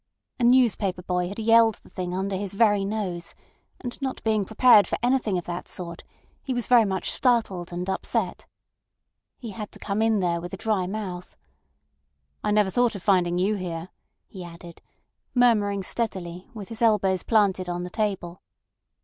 A newspaper boy had yelled the thing under his very nose, and not being prepared for anything of that sort, he was very much startled and upset. He had to come in there with a dry mouth. "I never thought of finding you here," he added, murmuring steadily, with his elbows planted on the table.